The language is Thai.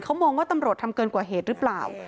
เขามองว่าตำรวจทำเกินกว่าเหตุหรือเปล่า